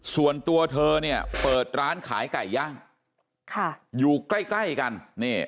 ส่วนตัวเธอเนี่ยเปิดร้านขายไก่ย่างอยู่ใกล้กัน